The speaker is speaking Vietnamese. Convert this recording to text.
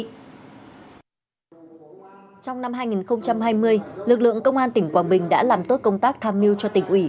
trong năm hai nghìn hai mươi lực lượng công an tỉnh quảng bình đã làm tốt công tác tham mưu cho tỉnh ủy